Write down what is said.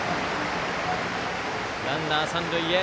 ランナー、三塁へ。